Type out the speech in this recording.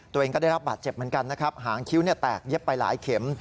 ตัวเองก็ได้รับบาดเจ็บเหมือนกันนะครับหางคิ้วแตกเย็บไปหลายเข็ม